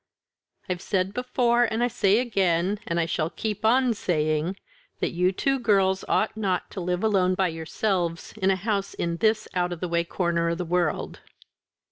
"I've said before, and I say again, and I shall keep on saying, that you two girls ought not to live alone by yourselves in a house in this out of the way corner of the world."